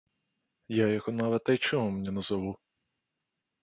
Я яго нават айчымам не назаву.